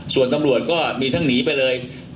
ส่วนตำรวจก็มีทั้งหนีไปเลย